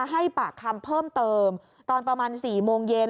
ให้ปากคำเพิ่มเติมตอนประมาณ๔โมงเย็น